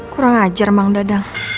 kurang ajar emang dadang